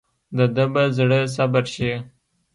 دده به زړه صبر شي.